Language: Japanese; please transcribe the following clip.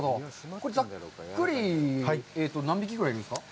これ、ざっくり何匹ぐらいいるんですか。